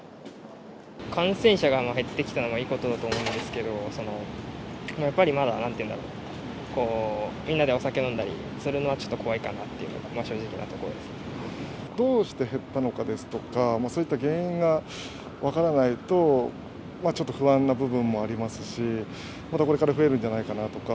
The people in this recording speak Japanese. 感染者が減ってきたのはいいことだと思うんですけど、やっぱりまだなんていうんだろう、みんなでお酒飲んだりするのはちょっと怖いかなっていうのが正直どうして減ったのかですとか、そういった原因が分からないと、ちょっと不安な部分もありますし、またこれから増えるんじゃないかなとか。